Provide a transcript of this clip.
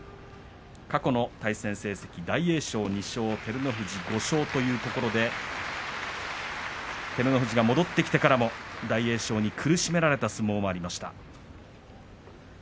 過去は大栄翔２勝、照ノ富士５勝照ノ富士が戻ってきてからも大栄翔に苦しめられた相撲もありました。